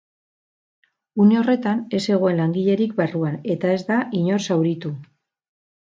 Une horretan ez zegoen langilerik barruan eta ez da inor zauritu.